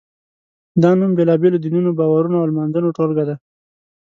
دا نوم بېلابېلو دینونو، باورونو او لمانځنو ټولګه ده.